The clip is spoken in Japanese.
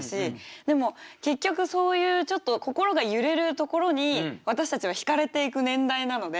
でも結局そういうちょっと心が揺れるところに私たちはひかれていく年代なので。